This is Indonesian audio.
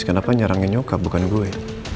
kenapa nyerangin nyokap bukan gue